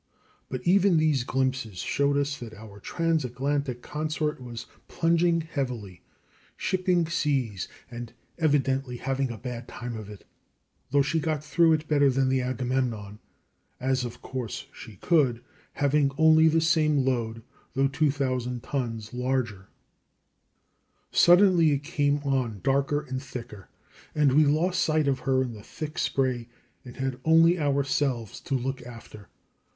But even these glimpses showed us that our transatlantic consort was plunging heavily, shipping seas, and evidently having a bad time of it, though she got through it better than the Agamemnon, as, of course, she could, having only the same load, though 2,000 tons larger. Suddenly it came on darker and thicker, and we lost sight of her in the thick spray, and had only ourselves to look after.